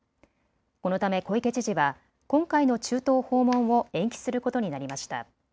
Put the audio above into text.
このため小池知事は今回の中東訪問を延期することになりました。